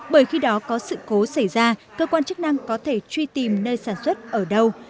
bởi khi đó có sự cố xảy ra cơ quan chức năng có thể truy tìm nơi sản xuất ở đâu